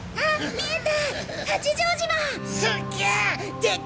見えた！